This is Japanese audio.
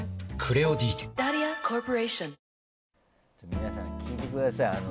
皆さん聞いてくださいよ。